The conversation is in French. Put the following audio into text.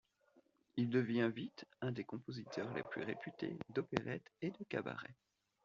Il devient vite un des compositeurs les plus réputés d'opérette et de cabaret.